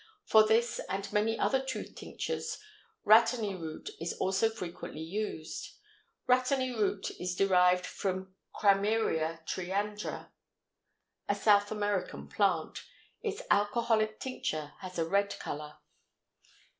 For this and many other tooth tinctures rhatany root is also frequently used. Rhatany root is derived from Krameria triandra, a South American plant. Its alcoholic tincture has a red color.